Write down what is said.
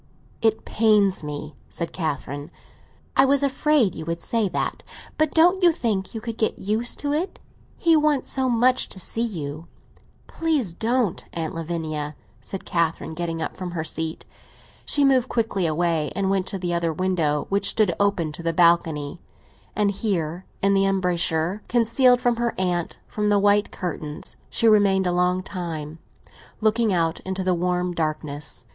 "It pains me," said Catherine. "I was afraid you would say that. But don't you think you could get used to it? He wants so much to see you." "Please don't, Aunt Lavinia," said Catherine, getting up from her seat. She moved quickly away, and went to the other window, which stood open to the balcony; and here, in the embrasure, concealed from her aunt by the white curtains, she remained a long time, looking out into the warm darkness.